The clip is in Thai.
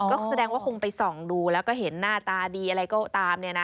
ก็แสดงว่าคงไปส่องดูแล้วก็เห็นหน้าตาดีอะไรก็ตามเนี่ยนะ